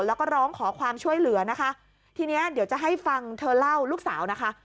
แล้วก็ร้องขอความช่วยเหลือนะคะทีเนี้ยเดี๋ยวจะให้ฟังเธอเล่าลูกสาวนะคะ